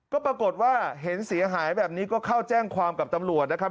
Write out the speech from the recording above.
ก็ปรากฏว่าเห็นเสียหายแบบนี้ก็เข้าแจ้งความกับตำรวจนะครับ